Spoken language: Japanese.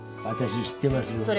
私知ってますよ